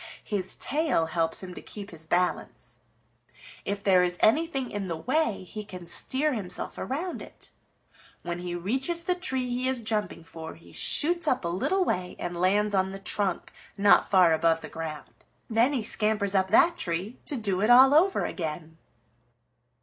His tail helps him to keep his balance. If there is anything in the way, he can steer himself around it. When he reaches the tree he is jumping for he shoots up a little way and lands on the trunk not far above the ground. Then he scampers up that tree to do it all over again."